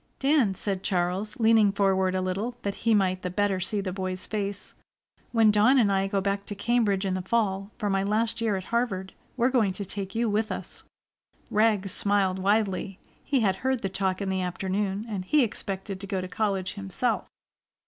"Dan," said Charles, leaning forward a little that he might the better see the boy's face, "when Dawn and I go back to Cambridge in the fall, for my last year at Harvard, we're going to take you with us." Rags smiled widely. He had heard the talk in the afternoon, and he expected to go to college himself.